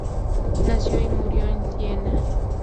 Nació y murió en Siena.